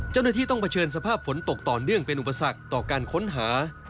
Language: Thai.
เจ้าหน้าที่ต้องเผชิญสภาพฝนตกต่อเนื่องเป็นอุปสรรคต่อการค้นหา